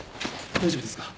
大丈夫ですか？